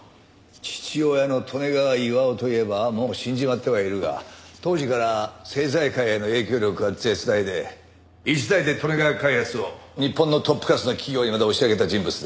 父親の利根川巌といえばもう死んじまってはいるが当時から政財界への影響力は絶大で一代で利根川開発を日本のトップクラスの企業にまで押し上げた人物だ。